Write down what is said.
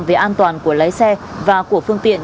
về an toàn của lái xe và của phương tiện